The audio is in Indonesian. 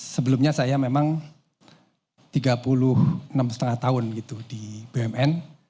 sebelumnya saya memang tiga puluh enam lima tahun gitu di bumn